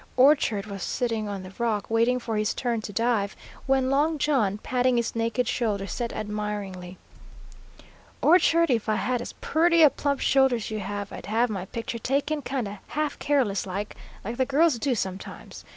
Orchard was sitting on the rock waiting for his turn to dive, when Long John, patting his naked shoulder, said admiringly, "Orchard, if I had as purty a plump shoulder as you have, I'd have my picture taken kind of half careless like like the girls do sometimes.